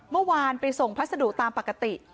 เมื่อวานไปส่งพัสดุตามปกติ